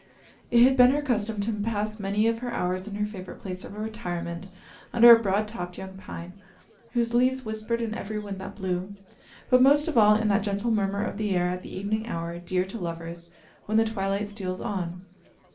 It had been her custom to pass many of her hours in her favorite place of retirement under a broad topped young pine, whose leaves whispered in every wind that blew; but most of all in that gentle murmur of the air at the evening hour, dear to lovers, when the twilight steals on.